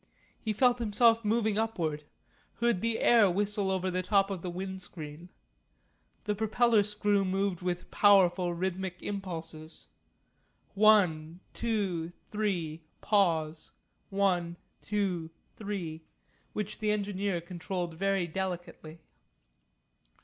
He felt himself moving upward, heard the air whistle over the top of the wind screen. The propeller screw moved round with powerful rhythmic impulses one, two, three, pause; one, two, three which the engineer controlled very delicately.